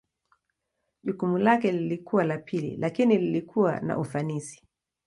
Jukumu lake lilikuwa la pili lakini lilikuwa na ufanisi.